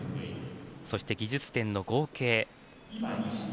そして、技術点の合計。